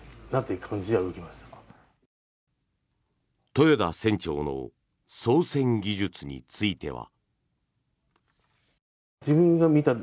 豊田船長の操船技術については。